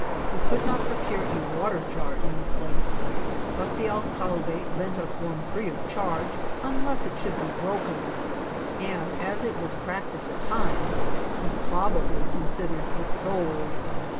We could not procure a water jar in the place, but the alcalde lent us one free of charge unless it should be broken, and as it was cracked at the time he probably considered it sold.